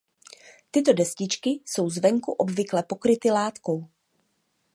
Tyto destičky jsou zvenku obvykle pokryty látkou.